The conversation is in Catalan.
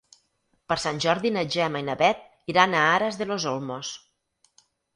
Per Sant Jordi na Gemma i na Bet iran a Aras de los Olmos.